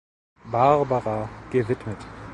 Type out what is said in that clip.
Barbara gewidmet.